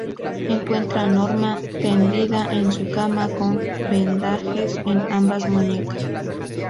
Encuentra a Norma tendida en su cama, con vendajes en ambas muñecas.